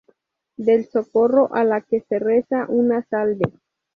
Del Socorro a la que se reza una Salve.